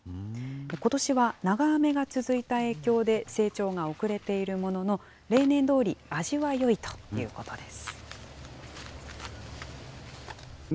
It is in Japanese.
ことしは長雨が続いた影響で、成長が遅れているものの、例年どおり味はよいということです。